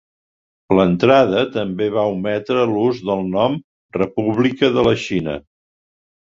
L'entrada també va ometre l'ús del nom "República de la Xina".